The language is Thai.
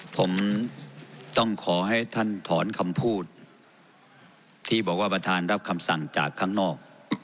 ผมต้องขอให้ท่านถอนคำพูดที่บอกว่าประธานรับคำสั่งจากข้างนอก